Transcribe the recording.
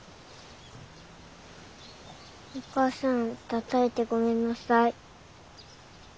お母さんたたいてごめんなさい。